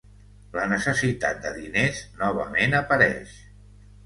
La necessitat de diners novament apareix.